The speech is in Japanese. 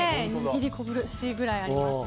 握りこぶしぐらいあります。